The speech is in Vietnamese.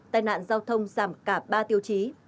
tài nạn giao thông giảm cả ba tiêu chí